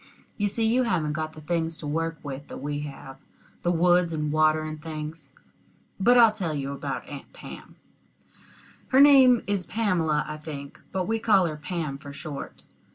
You see, you haven't got the things to work with that we have the woods and water and things. But I'll tell you about Aunt Pam her name is Pamela, I think, but we call her Pam for short.